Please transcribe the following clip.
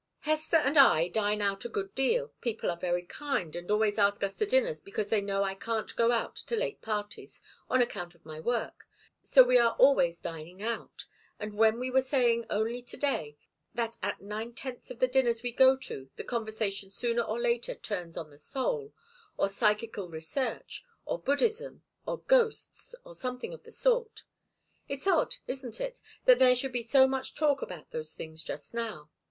Hester and I dine out a good deal people are very kind, and always ask us to dinners because they know I can't go out to late parties on account of my work so we are always dining out; and we were saying only to day that at nine tenths of the dinners we go to the conversation sooner or later turns on the soul, or psychical research, or Buddhism, or ghosts, or something of the sort. It's odd, isn't it, that there should be so much talk about those things just now?